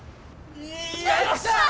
よっしゃ！